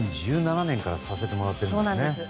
２０１７年からさせてもらってるんですね。